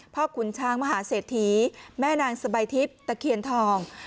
ขุนช้างมหาเศรษฐีแม่นางสบายทิพย์ตะเคียนทอง